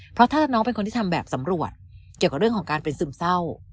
เพราะถ้าน้องเป็นคนที่ทำแบบสำรวจเกี่ยวกับเรื่องของการเป็นซึมเศร้า